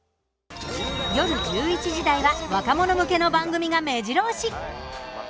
夜１１時台は若者向けの番組が、めじろ押し。